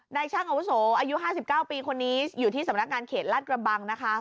นายช่างอาวุศวอายุห้าสิบเก้าปีคนนี้อยู่ที่สำนักการเขตลาดกระบังนะคะ